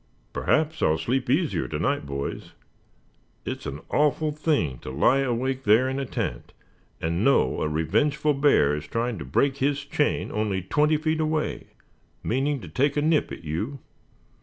Perhaps I'll sleep easier to night, boys. It's an awful thing to lie awake there in a tent, and know a revengeful bear is trying to break his chain only twenty feet away, meaning to take a nip at you."